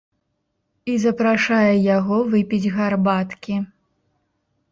І запрашае яго выпіць гарбаткі.